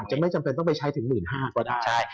จะไม่จำเป็นต้องไปใช้ถึง๑๕๐๐ก็ได้